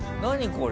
これ。